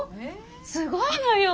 すごいのよ！